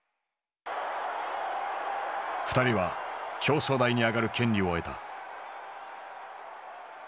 ２人は表彰台に上がる権利を得た。